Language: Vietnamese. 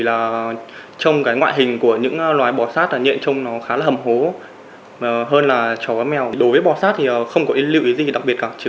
anh lộc nhận thấy các loài bò sát không có vấn đề gì đặc biệt